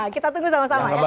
kita tunggu sama sama ya